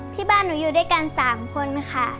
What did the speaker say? ที่บ้านหนูอยู่ด้วยกัน๓คนค่ะ